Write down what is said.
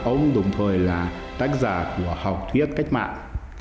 ông đồng thời là tác giả của học thuyết cách mạng